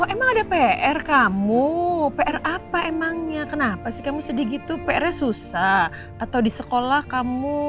emang ada pr kamu pr apa emangnya kenapa sih kamu sedih gitu pr nya susah atau di sekolah kamu